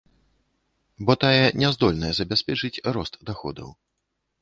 Бо тая не здольная забяспечыць рост даходаў.